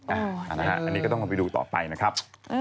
อันนี้ก็ต้องไปดูต่อไปนะครับ